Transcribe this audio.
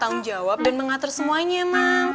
tanggung jawab dan mengatur semuanya emang